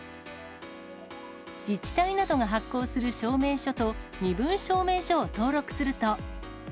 自治体などが発行する証明書と身分証明書を登録すると。